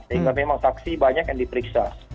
sehingga memang saksi banyak yang diperiksa